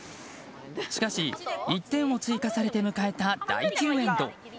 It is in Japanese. しかし、１点を追加されて迎えた第９エンド。